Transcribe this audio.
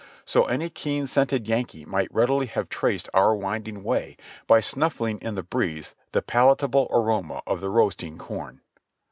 So any keen scented Yankee might readily have traced our winding way by snuffing in the breeze the palatable aroma of the roasting corn.